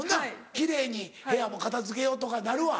奇麗に部屋も片付けようとかなるわ。